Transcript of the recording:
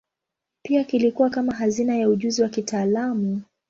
Pia kilikuwa kama hazina ya ujuzi wa kitaalamu.